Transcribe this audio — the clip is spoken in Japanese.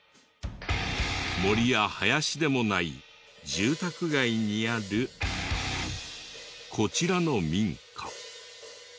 森や林でもない住宅街にあるこちらの民家。